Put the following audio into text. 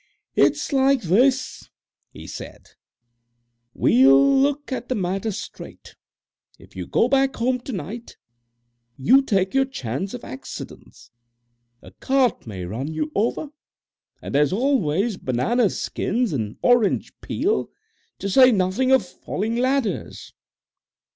"It's like this," he said, "We'll look at the matter straight. If you go back home to night, you take your chance of accidents. A cart may run you over, and there's always banana skins and orange peel, to say nothing of falling ladders."